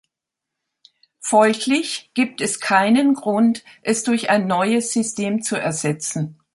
Folglich gibt es keinen Grund, es durch ein neues System zu ersetzen.